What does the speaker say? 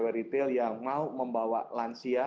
ada pegawai retail yang mau membawa lansia